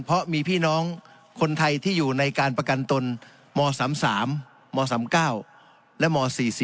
เพราะมีพี่น้องคนไทยที่อยู่ในการประกันตนม๓๓ม๓๙และม๔๔